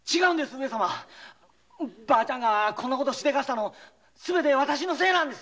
上様婆ちゃんがこんな事しでかしたのすべて私のせいなんです。